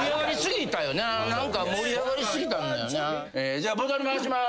じゃあボトル回します。